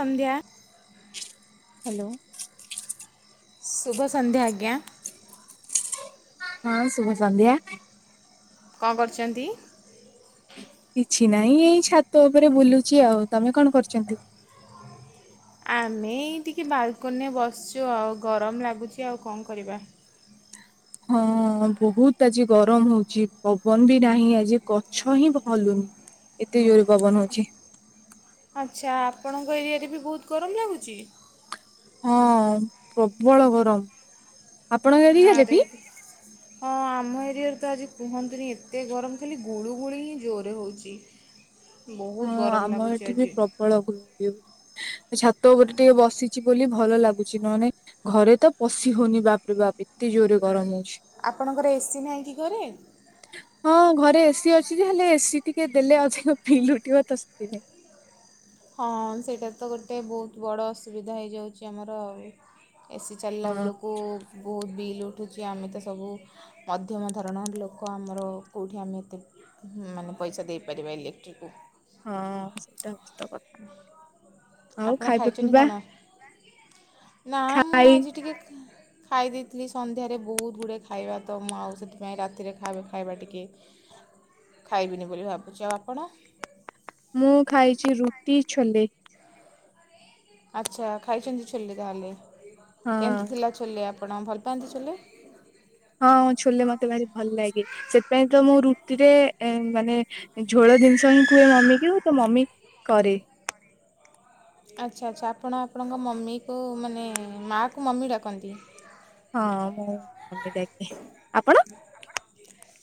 ସନ୍ଧ୍ୟା। Hello. ଶୁଭ ସନ୍ଧ୍ୟା ଆଜ୍ଞା। ହଁ ସୁୁଭ ସନ୍ଧ୍ୟା। କଣ କରିଛନ୍ତି? କିଛି ନାଇ ଏଇ ଛାତ ଉପରେ ବୁଲୁଛି ଆଉ। ତମେ କଣ କରୁଛନ୍ତି? ଆମେ ଟିକେ ବାଲକନିରେ ବସିଛୁ ଆଉ ଗରମ ଲାଗୁଛି ଆଉ କଣ କରିବା। ହଁ ବହୁତ ଆଜି ଗରମ ହଉଚି ପବନ ବି ନାହିଁ ଆଜି ଗଛ ହିଁ ଭ ହଲୁନି। ଏତେ ଜୋରରେ ପବନ ହଉଛି। ଆଚ୍ଛା ଆପଣଙ୍କ ଏରିଆରେ ବି ବହୁତ ଗରମ ଲାଗୁଚି? ହଁ ପ୍ରବଳ ଗରମ। ଆପଣଙ୍କ ଏରିଆରେ ନାଁରେ ବି ହଁ ଆମ ଏରିଆରେ ତ ଆଜି କୁହନ୍ତୁନି ଏତେ ଗରମ ଖାଲି ଗୁଳୁ ଗୁଳି ହିଁ ଜୋରେ ହଉଛି ବହୁତ ଗରମ ଲାଗୁଛି ଆଜି ବଳ ଛାତ ଗୋଟେ ଟିକେ ବସିଛି ବୋଲି ଭଲ ଲାଗୁଛି ନହୋନେ ଘରେ ତ ପଶି ହଉନି ବାପରେ ବାପ ଏତେ ଜୋରରେ ଗରମ ହ ଅଉଛି ଆପଣଙ୍କର ଏସିି ନାହିଁ କି କରେ ହଁ ଘରେ ଏସି ଅଛି ଯେ ହେଲେ ଏସି ଟିକେ ଦେଲେ ଅଧିକ ଫିଲ ଉଠିବ ତ ସେଥି ନାଇଁ ହଁ ସେଇଟା ତ ଗୋଟେ ବହୁତ ବଡ଼ ଅସୁବିଧା ହେଇଯାଉଛି ଆମର ଏସି ଚାଲିଲା ହଁ ବେଳକୁ ବହୁତ ବିଲ୍ ଉଠୁଛି ଆମେ ତ ସବୁ ମଧ୍ୟମ ଧରଣର ଲୋକ ଆମର କୋଉଠି ଆମେ ଏତେ ହୁଁ ମାନେ ପଇସା ଦେଇପାରିବା ଇଲେକ୍ଟ୍ରିକକୁ ହଁ ସେଇଟା ହଉଛି ତ କଥା ହ ଆଉ ଆପଣ ଖାଇବା ଖାଇଛନ୍ତି ପିଇବା କଣ ନା ମୁଁ ଖାଇ ଆଜି ଟିକେ ଖାଇ ଦେଇେଇଥିଲି ସନ୍ଧ୍ୟାରେ ବହୁତ ଗୁଡ଼ିଏ ଖାଇବା ତ ମୁଁ ଆଉ ସେଥିପାଇଁ ରାତିରେ ଖାଇବା ଖାଇବା ଟିକିେ ଖାଇବିନି ବୋଲି ଭାବୁଛି ଆ ଆପଣ ମୁଁ ଖାଇଛି ରୁଟି ଛଲେେ ଆଚ୍ଛା ଖାଇଛନ୍ତି ଛୋଲେ ତାହେଲେ ହଁ କେମିତି ଥିଲା ଛୋଲେ ଆପଣ ଭଲ ପାଆନ୍ତି ଛୋଲେ? ହଁ ଛୋଲେ ମତେ ଭାରି ଭଲ ଲାଗେ ସେଥିପାଇଁ ତ ମୁଁ ରୁଟିରେ ମାନେ ଝୋଳ ଜିନିଷ ହିଁ କୁହେ ମମି କି ତ ମମି କରେ। ଆଚ୍ଛା ଆଚ୍ଛା ଆପଣ ଆପଣଙ୍କ ମମିକୁ ମାନେ ମାଆ କୁ ମମି ଡାକନ୍ତି। ହଁ ମୁଁ ମମି ଡ଼ାକ। ଆପଣ?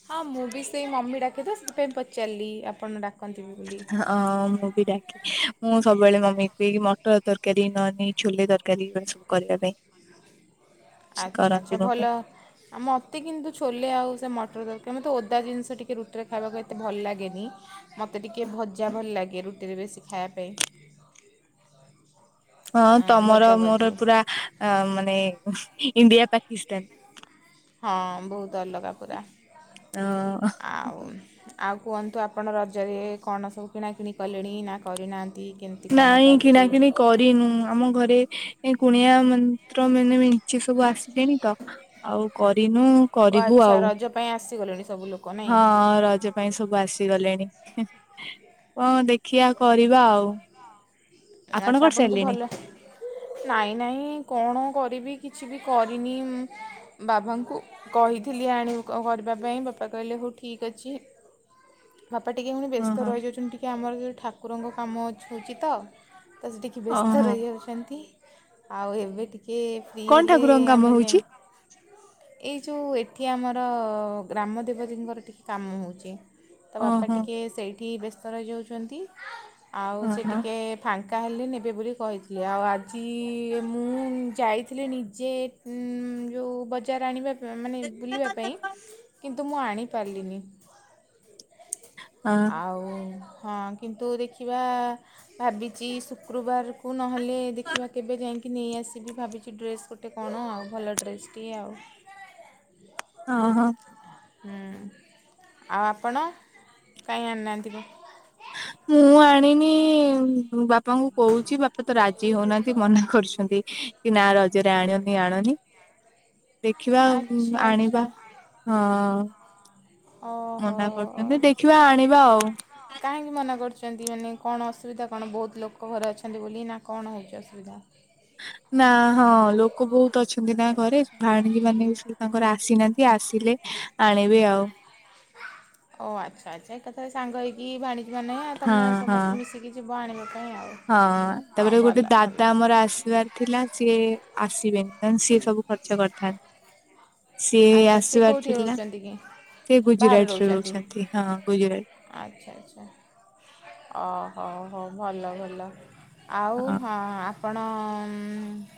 ହଁ ମୁଁ ବି ସେଇ ମମି ଡାକିଦିଏ ସେଥିପାଇଁ ପଚାରିଲି ଆପଣ ଡାକନ୍ତିି ବୋଲି। ହ ମୁଁ ବି ଡାକେ। ମୁଁ ସବୁବେଳେ ମମି କୁ କୁହେ ମଟର ତରକାରୀ ନହେଲେ ଛୋଲେ ତରକାରୀ ଏଇ ସବୁ କରିବା ପାଇଁ। ସେ ଆଚ୍ଛା କରନ୍ତି ଆଚ୍ଛା ମୋ ପାଇଁ ଭଲ। ଆଉ ମୋତେ କିନ୍ତୁ ଛୋଲେ ଆଉ ସେ ମଟର ଦରକାର ମୋତେ ଓଦା ଜିନିଷ ଟିକିେ ରୁଟିରେ ଖାଇବାକୁ ଏତେ ଭଲ ଲାଗେନି ମତେ ଟିକେ ଭଜା ଭଲ ଲାଗେ ରୁଟିରେ ବେଶୀ ଖାଇବା ପାଇଁ। ହଁ ଆଁ, ତମର ଭଜା ମୋର ଭଜି। ପୁରା ମାନେ ଇଣ୍ଡିଆ ପାକିସ୍ତାନ। ହଁ ବହୁତ ଅଲଗା ପୁରା ଆଉ ଆଉ କୁହନ୍ତୁ ଆପଣ ରଜରେ କଣ ସବୁ କିଣାକିଣି କଲେଣି ନା କରିନାହାନ୍ତି? କେମିତି କଣ ନାଇଁ କିଣା ଚାଲିଛି? କିିଣି କରିନୁ ଆମ ଘରେ ଏ କୁଣିଆ ମନ୍ତ୍ର ମାନେ ମିଞ୍ଚି ସବୁ ଆସିଲେଣି ତ। ଆଉ କରିନୁ ଓ କରିବୁ ଆଚ୍ଛା ଆଉ ରଜ ପାଇଁ ଆସିଗଲେଣି ସବୁ ଲୋକ? ହଁ ନାଇଁ ରଜ ପାଇଁ ସବୁ ଆସିଗଲେଣି କଣ ଦେଖିବା? କରିବା ଆଉ ଆପଣ ଆଚ୍ଛା କଣ ଆପଣଙ୍କୁ ସାରିଲେଣି? ଭଲ ନାଇଁ ନାଇଁ କଣ କରିବି କିଛି ବି କରିନି ବାବାଙ୍କୁ କହିଥିଲି ଆଣିବୁ କରିବା ପାଇଁ ବାପା କହିଲେ ହଉ ଠିକ୍ ଅଛି। ବାପା ଟିକେ ପୁଣି ହଁ ବ୍ୟସ୍ତ ହଁ ରହିଯାଉଛନ୍ତି ଟିକେ ଆମର ଯି ଠାକୁରଙ୍କ କାମ ଅଉଛି ତ ତ ସେ ଟିକେ ବ୍ୟସ୍ତ ଓହୋ ରହିଯାଉଛନ୍ତି ଆଉ ଏବେ ଟିକେ ଏ କଣ ହେଲେ ଠାକୁରଙ୍କ କାମ ଆମେ ହଉଛି ଯାଇ ଏଇ ଯେଉଁ ଏଠି ଆମର ଗ୍ରାମ ଦେବତୀଙ୍କର ଟିକିଏ କାମ ହେଉଛି। ତା ବାପା ଓହୋ ଟିକିଏ ସେଇଠି ବ୍ୟସ୍ତ ରହିଯାଉଛନ୍ତି ଆଉ ହଁ ସେ ହଁ ଟିକେ ଫାଙ୍କା ହେଲେ ନେବେ ବୋଲି କହିଥିଲେ ଆଉ ଆଜି ମୁଁ ଯାଇଥିଲି ନିଜେ ଉଁ ଯଉ ବଜାର ଆଣିବା ମାନେ ବୁଲିବା ପାଇଁ କିନ୍ତୁ ମୁଁ ଆଣିପାରିଲିନି। ହଁ ଆଉ ହଁ କିନ୍ତୁ ଦେଖିବା ଭାବିଛି ଶୁକ୍ରବାରକୁ ନହେଲେ ଦେଖିବା କେବେ ଯାଇକି କି ନେଇ ଆସିବି ଭାବିଛି ଡ୍ରେସ୍ ଗୋଟେ କଣ ଆଉ ଭଲ ଡ୍ରେସ୍ଟିଏ ଆଉ। ହଁ ହଁ। ହୁଁ ଆଉ ଆପଣ କାହିଁ ଆଣିନାହାନ୍ତିି? ମୁଁ ଆଣିନି ବାପାଙ୍କୁ କହୁଛି ବାପା ତ ରାଜି ହଉନାହାନ୍ତି ମନା କରୁଛନ୍ତି। କି ନା ରଜରେ ଆଣନି ଆଣନି। [inaudible] ଦେଖିବା ଆଉ ଆଚ୍ଛା ଆଚ୍ଛା ଆଣିବା ହଁ। ଓହୋ। ମନା କରୁଛନ୍ତି ଦେଖିବା ଆଣିବା ଆଉ। କାହିଁକି ମନା କରୁଛନ୍ତି ମାନେ କଣ ଅସୁବିଧା କଣ ବହୁତ ଲୋକ ଘରେ ଅଛନ୍ତି ବୋଲି ନା କଣ ହେଉଛି ଅସୁବିଧା? ନା ହଁ ଲୋକ ବହୁତ ଅଛନ୍ତି ନା ଘରେ ଭାଣେଜୀ ମାନେ ବି ସେ ତାଙ୍କର ଆସିନାହାନ୍ତି ଆସିଲେ ଆଣିବି ଆଉ। ଓ ଆଚ୍ଛା ଆଚ୍ଛା ଏକାଥରେ ସାଙ୍ଗ ହେଇକି ଭାଣିଜି ମାନେ ହଁ ତମେ ହଁ। ସମସ୍ତେ ମିଶିକି ଯିବ ଆଣିବା ପାଇଁ ଆଉ। ହଁ ତାପରେ ଭଲ ଗୋଟେ ଭଲ ଦାଦା ଆମର ଆସିବାର ଥିଲା ସିଏ ଆସିବେନି ନହେଲେ ସିଏ ସବୁ ଖର୍ଚ୍ଚ କରିଥାନ୍ତି। ସିଏ ଆଚ୍ଛା ସିଏ ଆସିବାର କୋଉଠି ଥିଲା ରହୁଛନ୍ତି କି? ସେ ଗୁଜୁରାଟ ରେ ରହୁଛନ୍ତି ହଁ ଗୁଜୁରାଟ ଆଚ୍ଛା ଆଚ୍ଛା ଓ ହଉ ହଉ ଭଲ ଭଲ ଆଉ ହଁ ଆ ଆପଣ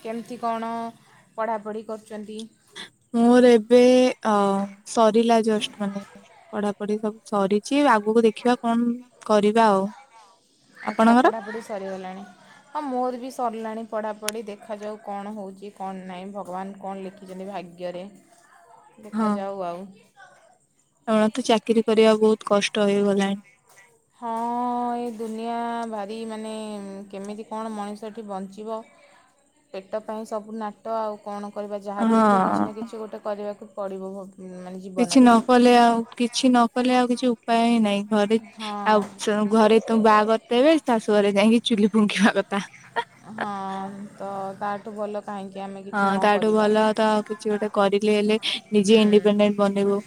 କେମିତି କଣ ପଢ଼ାପଢ଼ି କରୁଛନ୍ତି ମୋର ଏବେ ଅ ସରିଲା ଜଷ୍ଟ ମାନେ ପଢାପଢି ସବୁ ସରିଛି ଆଗକୁ ଦେଖିବା କଣ କରିବା ଆଉ ଆଚ୍ଛା ଆପଣଙ୍କର ପଢାପଢି ସରିଗଲାଣି ହଁ ମୋର ବି ସରିଲାଣି ପଢାପଢି ଦେଖାାଯାଉ କଣ ହଉଛି କଣ ନାହିଁ ଭଗବାନ କଣ ଲିଖ କିଜ ଭାଗ୍ୟରେ ହଁ। ଦେଖାଯାଉ ଆଉ କାରଣ ତ ଚାକିରରି କରିବା ବହୁତ କଷ୍ଟ ହେଇଗଲାଣି ହଁ ହଁ ଏଇ ଦୁନିଆ ଭାରି ମାନେ କେମିତି କଣ ମଣିଷଟି ବଞ୍ଚିବ ପେଟ ପାଇଁ ସବୁ ନାଟ ଆଉ କଣ କରିବା ଯାହାବି ହେଲେ ତ କିଛି ନା ହଁ କିଛି ଗୋଟେ କରିବାକୁ ପଡିବ ମାନେ କିଛି ଜୀବନରେ ନ କଲେ ଆଉ କିଛି ନ କଲେ ଆଉ କିଛି ଉପାୟ ହିଁ ନାହିଁ ଘରେ ଆଉ ହଁ ଘରେ ତମ ବାହାଘ କରିଦେବେ ଶାଶୁ ଘରେ ଯାଇକି ଚୁଲି ଫୁଙ୍କିବା କଥା ହଁ ତ ଗାଠୁ ଭଲ କାଁକି ଆମେ କିଛି ହଁ ନ ତାଠୁ କରିବା। ଭଲ ତ କିଛି ଗୋଟେ କରିଲି ହେଲେ ନିଜେ ହୁଁ। ଇଣ୍ଡିପେଣ୍ଡେଣ୍ଟ ବନେଇବୁ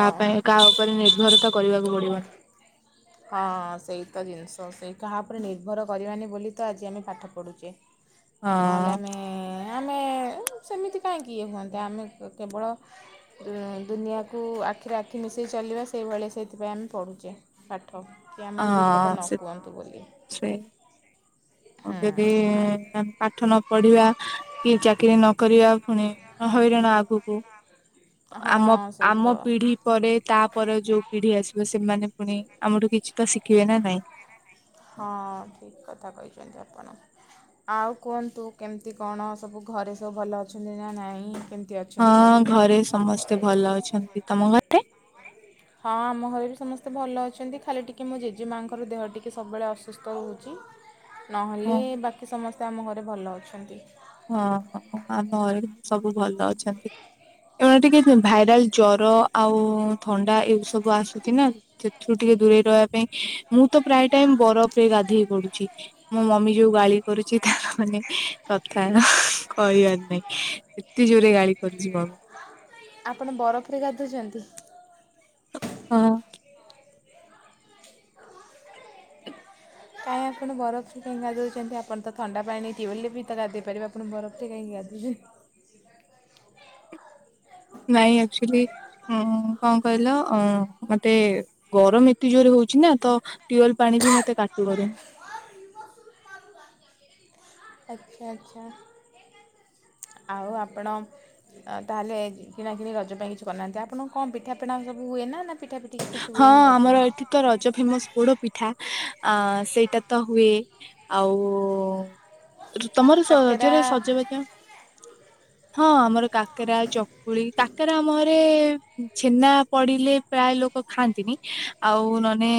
କା ପାଇଁ କାହା ଉପରେ ନିର୍ଭରତା କରିବାକୁ ପଡିବ ହଁ ସେଇ ତ ଜିନିଷ ସେଇ କାହା ଉପରେ ନିର୍ଭର କରିବାନି ବୋଲି ତ ଆଜି ଆମେ ପାଠ ପଢ଼ୁଛେ ନହେଲେ ହଁ ଆମେ ଆମେ ସେମିତି କାହିଁକି ଇଏ ହୁଅନ୍ତ ଆମେ କେବଳ ଦୁନିଆକୁ ଆଖିରେ ଆଖି ମିଶେଇ ଚାଲିବା ସେଇଭଳିଆ ସେଇଥିପାଇଁ ଆମେ ପଢୁଛେ ପାଠ କି ଆମକୁ ବିପଦ ହଁ ନ ସେ କୁହନ୍ତୁ ବୋଲି ହଁ ଯଦିମେ ପାଠ ନ ପଢିବା କି ଚାକିରି ନ କରିବା ପୁଣି ହଇରାଣ ଆଗକୁ ହଁ ଆମ ସେଇ ଆମ ତ। ପିଢି ପରେ ତାପରେ ଯୋଉ ପିଢି ଆସିବ ସେମାନେ ପୁଣି ଆମଠୁ କିଛି ତ ଶିଖିବେ ନା ନାଇଁ ହଁ ଠିକ କଥା କହିଛନ୍ତି ଆପଣ ଆଉ କୁହନ୍ତୁ କେମତି କଣ ସବୁ ଘରେ ସବୁ ଭଲ ଅଛନ୍ତି ନା ନାଇଁ କେମିତି ଅଛି ହଁ ଘରେ ସମସ୍ତେ ଭଲ ଅଛନ୍ତି ତମ ଘରେେ ହଁ ଆମ ଘରେ ବି ସମସ୍ତେ ଭଲ ଅଛନ୍ତି ଖାଲି ଟିକିେ ମୋ ଜେଜେମାଙ୍କର ଦେହ ଟିକିେ ସବୁବେଳେ ଅସୁସ୍ଥ ରହୁଛି ନହେଲେ ହଁ ବାକି ସମସ୍ତେ ଆମ ଘରେ ଭଲ ଅଛନ୍ତି ହଁ ଆମରେ ସବୁ ଭଲ ଅଛନ୍ତି ଏ ଟିକେ ଭାଇରାଲ ଜ୍ର ଆଉ ଥଣ୍ଡା ଏ ମୁଁ ତ ପ୍ରାୟ ଟାଇମ ବରଫରେ ଗାଧେଇ ପଡୁଛି ମୋ ମମି କରୁଛି ତାର ମାନେ ଆ ଥାଏ ନା କହିବାର ନାହିଁ ଏତେ ଜୋରରେ ଗାଳି କରୁଛି ମମି। ଆପଣ ବରଫରେ ଗାଧଉଛନ୍ତି? ହଁ। କାହିଁ ଆପଣ ବରଫରେ କାଇଁ ଗାଧୋଉଛନ୍ତି ଆପଣ ତ ଥଣ୍ଡା ପାଣି ନେଇ ଟିୱଲରେ ବି ତ ଗାଧେଇ ପାରିବେ। ଆପଣ ବରଫ୍ ରେ କାଇଁ ଗଧୋଉଛନ୍ତି। ନାଇଁ ଆକ୍ଚୁଲି କଣ କହିଲ ମତେ ଗରମ ଏତେ ଜୋରରେ ହଉଛି ନା ତ ଟ୍ୟୁଲ ପାଣି ବି ମତେ କାଟୁକରେନି। ଆଚ୍ଛା ଆଚ୍ଛା ଆଉ ଆପଣ ତାହେଲେ କିଣା କିଣି ରଜ ପାଇଁ କିଛି କରିନାହାନ୍ତି ଆପଣଙ୍କୁ କଣ ପିଠା ପଣା ସବୁ ହୁଏ ନା ନା ପିଠାପିଠି କିଛି ହଁ ହୁଏନି ରଜରେ ଆମର ଏଠି ରଜ ଫେମସ ପୋଡ ପିଠା ଅ ସେଇଟା ତ ହୁଏ। ଆଉ କାକେରା ତମରଜର ସଜବାଜ?? [inaudible] ହଁ ଆମର କାକରା ଚକୁଳି କାକରା ଆମ ଆଡେ ଛେନା ପଡିଲେ ପ୍ରାୟ ଲୋକ ଓ ଖାଆନ୍ତିନି ଆଉ ନଅନେ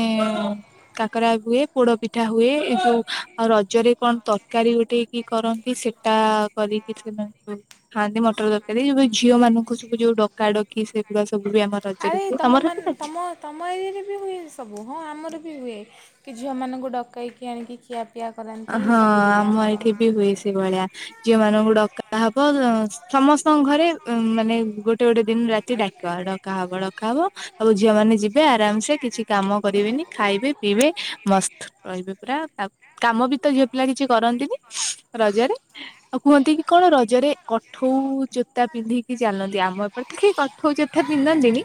କାକରା ହୁଏ, ପୋଡ଼ ପିଠା ହୁଏ, ଏଇ ଯୋଉ ଆଉ ରଜରେ, କଣ ତରକାରୀ ଗୋଟେ କି କରନ୍ତି ସେଟା କରିକି ସେମାନଙ୍କୁ ଖାଆନ୍ତି ମଟର ତରକାରୀ ବ ଝିଅ ମାନଙ୍କୁ ସବୁ ଯୋଉ ଡକା ଡକି ସେଗୁଡ଼ା ସବୁ ବି ଆମ ରଜରେ ଆରେ ହୁଏ, ତମ ତମର? ମାନ ହୁଏ? ତମ ତମ ଏରିଆରେ ବି ହୁଏ, ଏ ସବୁ ହଁ ଆମର ବି ହୁଏ କି ଝିଅମାନଙ୍କୁ ଡକାଇକି ଆଣିକି ଖିଆ ପିଆ କରେନ୍ ଅ ହଁ ଆମ ଏଇଠି ବି ହୁଏ ସେ ଭଳିଆ। ଝିଅ ମାନଙ୍କୁ ଡକାହବ ଦ ସମସ୍ତଙ୍କ ଘରେ ଅ ମାନେ ଗୋଟେ ଗୋଟେ ଦିନ ରାତି ଡା କା ହବ ଡକା ହବ ସବୁ ଝିଅ ମାନେ ଯିବେ ଆରାମ ସେ କିଛି କାମ କରିବେନି ଖାଇବେ ପିଇବେ ମସ୍ତ ରହିବେ ପୁରା ଆଉ। କାମ ବି ତ ଝିଅ ପିଲା କିଛି କରନ୍ତିନି ରଜରେ। ଆଉ କୁହନ୍ତି କି କଣ ରଜରେ କଠଉ ଜୋତା ପିନ୍ଧିକି ଚାଲନ୍ତି ଆମ ଏପଟେ କେହି କଠଉ ଜୋ ଥା ପିନ୍ଧନ୍ତିନି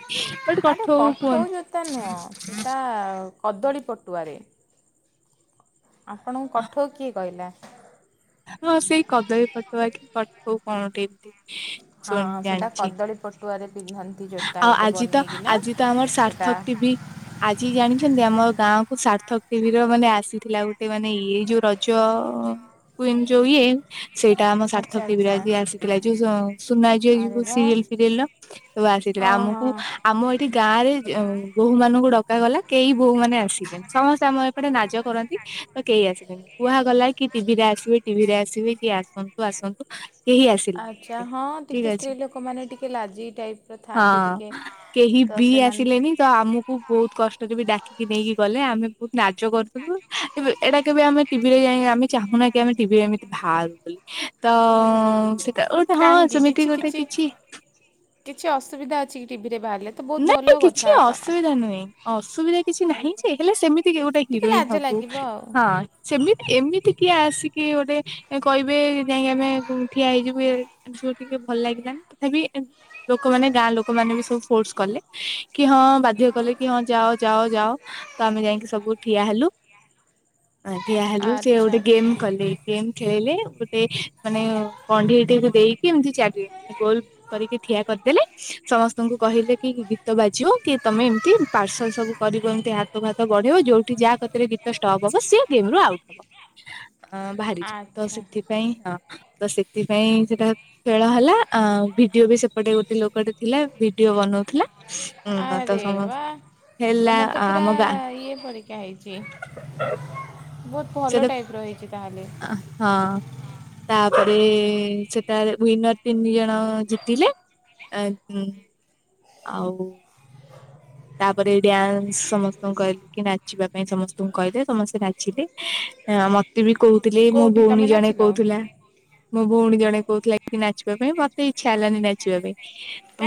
ବଟ୍ କ ଆରେ କଠଉ ଯୋତା ନୁହଁ ସେଟା କଦଳୀ ପଟୁଆରେ। ଆପଣଙ୍କୁ କଠୋଉ କିଏ କହିଲା? ହଁ ସେଇ କଦଳୀ ପଟୁଆ କି କଠଉ କଣ ଟେ ଏମତି। ହଁ, ହଁ, ସେଇଟା କଦଳୀ ପଟୁଆରେ ପିନ୍ଧନ୍ତି ଜୋତା ଆଉ ଗୋଟେ ଆଜି ତ ବନେଇକିନା ଆଜି ତ ଆମର ସେଟା ସାର୍ଥକ ଟିଭି ଆଜି ଜାଣିଛନ୍ତି ଆମ ଗାଁ କୁ ସାର୍ଥକ ଟିଭିର ମାନେ ଆସିଥିଲା ଗୋଟେ ମାନେ ଇଏ ଯୋଉ ରଜ ହୁଏନି ଯୋଉ ଇଏ ସେଇଟା ଆମ ସାର୍ଥକ ଆଚ୍ଛା ଟିଭିର ଆଚ୍ଛା ଆଜି ଆସିଥିଲା ଯୋଉ ସୋ ସୁନା ଝିଅ ଆରେ ଯୋଉ ବା ସିରିଏଲ୍ ଫିରିଏଲ୍‌ ର ସବୁ ଆସିଥିଲେ ହଁ ଆମକୁ ହଁ ଆମ ଏଠି ଗାଁ ରେ ଯେଉଁ ବୋହୂ ମାନଙ୍କୁ ଡକାଗଲା କେଇ ବୋହୂ ମାନେ ଆସିଲେନି ସମସ୍ତେ ଆମ ଏପଟେ ନାଜ କରନ୍ତି। ତ କେହି ଆସିଲେନି କୁହା ଗଲା କି ଟିଭିରେ ଆସିବେ ଟିଭି ରେ ଆସିବେ କିଏ ଆସନ୍ତୁ ଆସନ୍ତୁ କେହି ଆଚ୍ଛା ଆସିଲେନି। ହଁ ଠିକ ଟିକେ ଅଛି ସ୍ତ୍ରୀ ଲୋକମାନେ ଟିକେ ଲାଜେଇ ଟାଇପ୍ ର ଥାଆନ୍ତି ଟିକେ ହଁ କେହି ତ ବି ସେମାନେ ଆସିଲେନି ତ ଆମୁକୁ ବୋହୁତ କଷ୍ଟରେ ବି ଡାକିକି ନେଇକି ଗଲେ ଆମେ ବୋହୁତ ନାଜ କରୁଥିଲୁ। ଇବେ ଏଟା କେବେ ଆମେ ଟିଭିରେ ଯାଇଁ ଆମେ ଚାହୁଁନା କି ଆମେ ଟିଭିରେ ଏମିତି ଭାଆରୁ। ତ ସେକା ଗୋଟେ ହଁ କାହିଁକି ସେମିତି କିଛି ଗୋଟେ କିଛି କିଛି ଅସୁବିଧା ଅଛି କି ଟିଭି ରେ ବାହାରିଲେ? ତ ବହୁତ ନା ମ ଭଲ କଥା କିଛି ତ ଅସୁବିଧା ନୁହେଁ ଅସୁବିଧା କିଛି ନାହିଁ ଯେ ହେଲେ ସେମି ତି କି ଗୋଟେ ଟିକେ ହିରୋଇନ ଲାଜ ହବୁ ଲାଗିବ ଆଉ ହଁ ସେମିତି ଏମିତି କିଏ ଆସିକି ଗୋଟେ କହିବେ ଯାଇଁକି ଆମେ କୁଁ ଠିଆ ହେଇଯିବୁ ଏ [unintelligible] ଟିକେ ଭଲ ଲାଗିଲାନି ତଥାପି ଏମ୍ ଲୋକମାନେ ଗାଁ ଲୋକ ମାନେ ବି ସବୁ ଫୋର୍ସ କଲେ କି ହଁ ବାଧ୍ୟ କଲେ କି ହଁ ଯାଅ ଯାଅ ଯାଅ। ତ ଆମେ ଯାଇଁକି ସବୁ ଠିଆ ହେଲୁ। ଆ ହେଲୁ ସେ ଆଚ୍ଛା ଗୋଟେ ଗେମ୍ ଆଚ୍ଛା କଲେ ଗେମ୍ ଖେଳିଲେ ଗୋଟେ ମାନେ କଣ୍ଢେଇଟିିକୁ ଦେଇକି ଏମିତି ଚାଲିବ। ଏ ଗୋଲ୍ କରିକି ଠିଆ କରିଦେଲେ ସମସ୍ତଙ୍କୁ କହିଲେ କି ଗୀତ ବାଜିବ କି ତମେ ଏମିତି ପାର୍ସଲ ସବୁ କରିବ ଏମିତି ହାତକୁ ହାତ ତ ବଢ଼େଇବ ଯୋଉଠି ଯାହା କତିରେ ଗୀ ତ ଷ୍ଟପ୍ ହବ ସି ଗେମ୍ ରୁ ଆଉଟ୍ ହବ। ଅ ବାହାରିଯିବୁ ତ ଆଚ୍ଛା ସେଥିପାଇଁ ହଁ ତ ସେ ଥିପାଇଁ ସେଟା ଖେଳ ହେଲା ଆଁ ଭିଡିଓ ବି ସେପଟେ ଗୋଟେ ଲୋକଟେ ଥିଲା ଭିଡିଓ ବନଉ ଥିଲା ଅଁ ତ ଆରେ ସମସ୍ ହେଲା ଆମ ଗାଁ। ଏଇଏ ପରିକା ହେଇଛି ବୋ [unintelligible] ଆ ହଁ। ତାପରେ ସେଟାରେ ୱିନର ତିନି ଜଣ ଜିତିଲେ। ଆଁ ଉଁ। ଆଉ ତାପରେ ଡ୍ୟାନ୍ସ ସମସ୍ତଙ୍କୁ କହିଲେ କି ନାଚିବା ପାଇଁ ସମସ୍ତଙ୍କୁ କହିଲେ ସମସ୍ତେ ନାଚିଲେ। ମତେ ବି କହୁଥିଲେ, ମୋ କୋଉଠି ତମେ ଭଉଣୀ ଜଣେ ନାଚିଲ କହୁଥିଲା ମୋ ଭଉଣୀ ଜଣେ କହୁଥିଲା କି ନାଚିବା ପାଇଁ, ମତେ ଇଚ୍ଛା ହେଲାନି ନାଚିବା ପାଇଁ।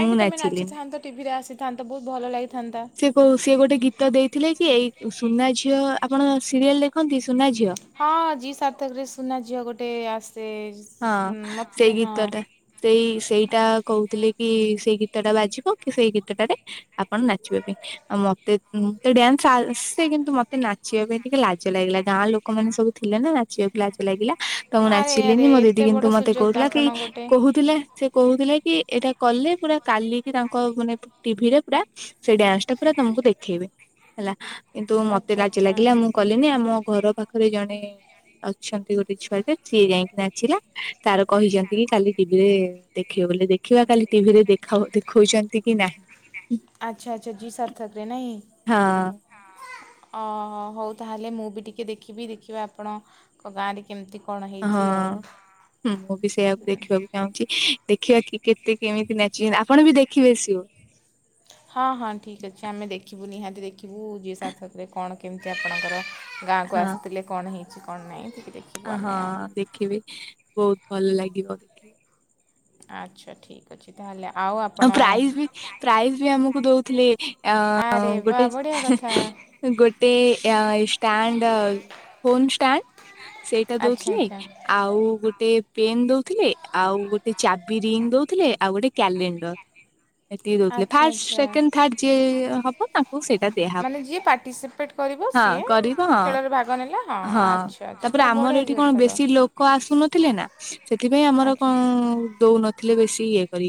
ମୁଁ ତମେ ନାଚିଲିନି। ନାଚିଥାନ୍ତ ଟିଭିରେ ଆସିଥାନ୍ତ, ବହୁତ ଭଲ ଲାଗିଥାନ୍ତା। ସେ କୋଉ ସିଏ ଗୋଟେ ଗୀତ ଦେଇଥିଲେ କି, ଏଇ ସୁନା ଝିଅ ଆପଣ ସିରିଏଲ ଦେଖନ୍ତି? ସୁନା ଝିଅ ହଁ ଯି ସାର୍ଥକରେ ସୁନା ଝିଅ ଗୋଟେ ଆସେ ହଁ ମତେ ସେଇ ହଁ ଗୀତଟା। ସେଇ ସେଇଟା କହୁଥିଲେ କି, ସେଇ ଗୀତଟା ବାଜିବ କି ସେଇ ଗୀତଟାରେ ଆପଣ ନାଚିବା ପାଇଁ ଆଉ ମତେ ମତେ ଡ୍ୟାନ୍ସ ଆସେ, କିନ୍ତୁ ମତେ ନାଚିବା ପାଇଁ ଟିକେ ଲା ଜ ଲାଗିଲା ଗାଁ ଲୋକମାନେ ସବୁ ଥିଲେ ନା, ନାଚିବାକୁ ଲଜ ଲାଗିଲା। ତ ମୁଁ ନାଚ ଆରେ ଆରେ ମୋ ଦିଦି ଏତେ କିନ୍ତୁ ବଡ଼ ମତେ ସୁଯୋଗ କହୁଥିଲା କି ଆପଣ ଗୋଟେ କହୁଥିଲେ ସେ କହୁଥିଲେ କି ଏଇଟା କଲେ, ପୁରା କାଲି କିି ତାଙ୍କ ମାନେ ଟିଭିରେ ପୁରା ସେଇ ଡ୍ୟାନ୍ସ ଟା ପୁରା ତମକୁ ଦେଖେଇବେ ହେଲା, କିନ୍ତୁ ମତେ ଲାଜ ଆଚ୍ଛା ଲାଗିଲା ମୁଁ କଲିନି। ଆମ ଘର ପାଖରେ ଜଣେ ଅଛନ୍ତି ଗୋଟେ ଛୁଆଟେ, ସିଏ ଯାଇକି ନାଚିଲା, ତାର କହିଛନ୍ତି କି କାଲି ଟିଭିରେ ଦେଖିବ ବୋଲି, ଦେଖିବା କାଲି ଟିଭିରେ ଦେଖାଉ ଦେଖଉଛନ୍ତି କି ନାହିଁ? ଆଛା ଆଛା ଜୀ ସାର୍ଥକରେ ନାଇଁ? ହଁ। ଅ ହଉ ତାହେଲେ ମୁଁ ବି ଟିକେ ଦେଖିବି, ଦେଖିବା ଆପଣ ତମ ଗାଁରେ କେମିତି କଣ ହେଇଛି ଆଉ? ହଁ। ମୁଁ ବି ସେଇଆକୁ [unintelligible] ଦେଖିବା କି କେତେ କେମିତି ନାଚିଛନ୍ତି, ଆପଣ ବି ଦେଖିବେ ଏ ସବୁ। ହଁ ହଁ ଠିକ୍ ଅଛି ଆମେ ଦେଖିବୁ ନିହାତି ଦେଖିବୁ, ଜି ସାର୍ଥକ ରେ କଣ କେମିତି ଆପଣଙ୍କର ଗାଁକୁ ହଁ ଆସିଥିଲେ, କଣ ହେଇଛି କଣ ନାହିଁ [unintelligible] ହଁ ଆଉ ଦେଖିବି, ବହୁତ ଭଲ ଲାଗିବ। ଆଚ୍ଛା ଠିକ୍ ତାହେଲେ ଆଉ ଆପ ଆ ପ୍ରାଇଜ, ପ୍ରାଇଜ ବି ଆମକୁ ଦଉଥିଲେ ଆଁ ଆରେ ବା ଗୋଟେ ବଢ଼ିଆ କଥା ଗୋଟେ ଷ୍ଟାଣ୍ଡ, ଫୋନ୍ ଷ୍ଟାଣ୍ଡ। ସେଇଟା ଆଚ୍ଛା ଦଉଥିଲେ, ଆଚ୍ଛା ଆଉ ଗୋଟେ ପେନ୍ ଦଉଥିଲେ, ଆଉ ଗୋ ଟେ ଚାବି ରିଙ୍ଗ ଦଉଥିଲେ, ଆଉ ଗୋଟେ କ୍ୟାଲେଣ୍ଡର। ଆଚ୍ଛା ଫାର୍ଷ୍ଟ ଆଚ୍ଛା ସେକେଣ୍ଡ ଥାର୍ଡ ଯିଏ ହବ, ତାଙ୍କୁ ସେଇଟା ଦିଆହବ। ମାନେ ଯିଏ ପାଟିସିପେଟ୍ ହଁ କରିବ ହଁ- ହଁ, ଆଚ୍ଛା ଆଚ୍ଛା ତାପରେ ତ ଆମର ଏଠି ବଢ଼ିଆ କଣ କଥା ତ ବେଶୀ ଲୋକ କ ଆସୁନଥିଲେ ନା। ସେଥିପାଇଁ, ଆମର କଣ ଆଚ୍ଛା ଦଉନଥିଲେ ବେଶୀ ଇଏ କରି।